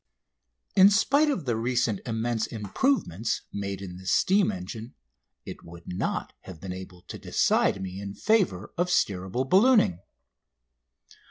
In spite of the recent immense improvements made in the steam engine it would not have been able to decide me in favour of steerable ballooning.